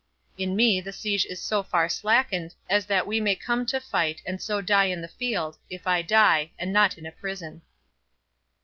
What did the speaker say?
In me the siege is so far slackened, as that we may come to fight, and so die in the field, if I die, and not in a prison.